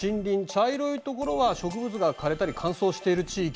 茶色いところは植物が枯れたり乾燥している地域。